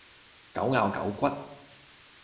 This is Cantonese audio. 狗咬狗骨